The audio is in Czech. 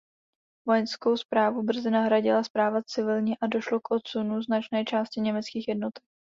Vojenskou správu brzy nahradila správa civilní a došlo k odsunu značné části německých jednotek.